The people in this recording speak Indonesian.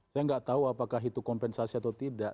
saya nggak tahu apakah itu kompensasi atau tidak